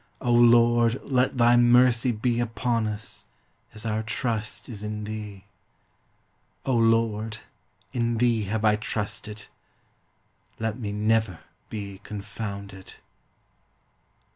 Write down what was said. O Lord, let thy mercy be upon us, as our trust is in thee. O Lord, in thee have I trusted; let me never be confounded.